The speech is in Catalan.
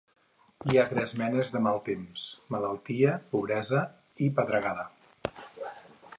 Hi ha tres menes de mal temps: malaltia, pobresa i pedregada.